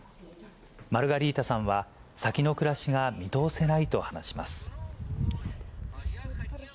マルガリータさんは、先の暮らしが見通せないと話します。